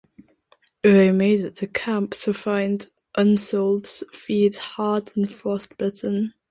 They made it to camp to find Unsoeld's feet hard and frostbitten.